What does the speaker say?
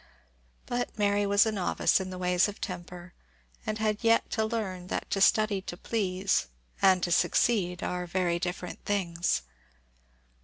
But Mary was a novice in the ways of temper, and had yet to learn that to study to please, and to succeed, are very different things.